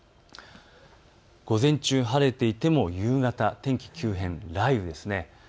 午前中、晴れていても夕方、天気急変、雷雨です。